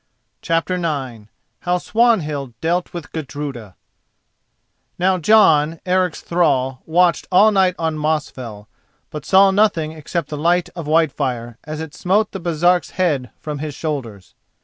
CHAPTER IX HOW SWANHILD DEALT WITH GUDRUDA Now Jon, Eric's thrall, watched all night on Mosfell, but saw nothing except the light of Whitefire as it smote the Baresark's head from his shoulders.